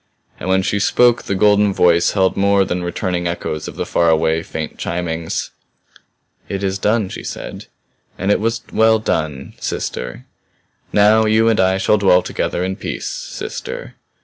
And when she spoke the golden voice held more than returning echoes of the far away, faint chimings. "It is done," she said. "And it was well done sister. Now you and I shall dwell together in peace sister.